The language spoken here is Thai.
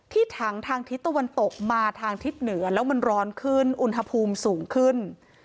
ถังทางทิศตะวันตกมาทางทิศเหนือแล้วมันร้อนขึ้นอุณหภูมิสูงขึ้น